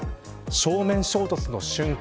正面衝突の瞬間